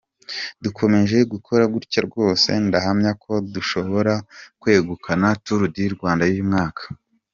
Dukomeje gukora gutya rwose ndahamya ko dushobora kwegukana ‘Tour du Rwanda y’uyu mwaka”.